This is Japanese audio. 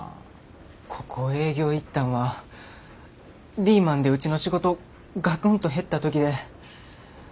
ここ営業行ったんはリーマンでうちの仕事ガクンと減った時で。